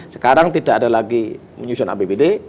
sekarang tidak ada lagi menyusun apbd